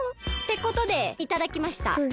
ってことでいただきました。